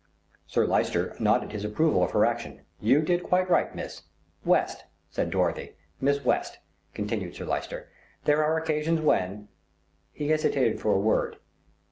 Sir Lyster nodded his approval of her action. "You did quite right, Miss " "West," said Dorothy. "Miss West," continued Sir Lyster. "There are occasions when " He hesitated for a word.